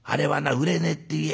売れねえって言え。